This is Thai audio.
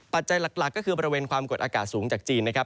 ปัจจัยหลักก็คือบริเวณความกดอากาศสูงจากจีนนะครับ